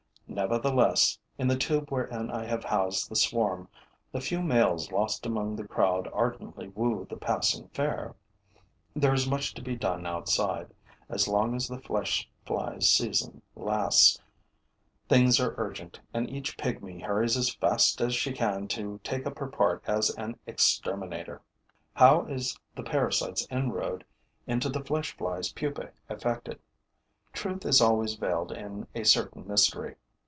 Nevertheless, in the tube wherein I have housed the swarm, the few males lost among the crowd ardently woo the passing fair. There is much to be done outside, as long as the flesh fly's season lasts; things are urgent; and each pigmy hurries as fast as she can to take up her part as an exterminator. How is the parasite's inroad into the flesh fly's pupae effected? Truth is always veiled in a certain mystery.